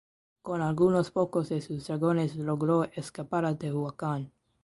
Con algunos pocos de sus dragones logró escapar a Tehuacán.